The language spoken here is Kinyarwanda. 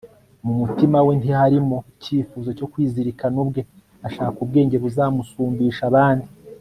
mu mutima we ntiharimo icyifuzo cyo kwizirikana ubwe ashaka ubwenge buzamusumbisha abandi